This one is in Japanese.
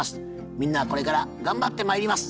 みんなこれから頑張ってまいります。